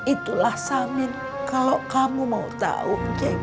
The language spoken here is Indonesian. itulah samin kalau kamu mau tahu